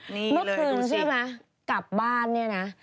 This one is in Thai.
เมื่อคืนใช่ไหมกลับบ้านเนี่ยนะ